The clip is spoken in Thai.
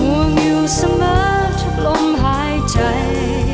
ห่วงอยู่เสมอทุกลมหายใจ